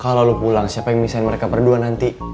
kalau lo pulang siapa yang bisain mereka berdua nanti